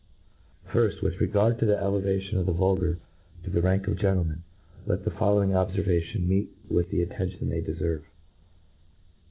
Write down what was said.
JRfr/?, With regard to the elevation of the vuK, gar to the rank of gentlemen, let the following obfervations meet with the attention they de ferA'e.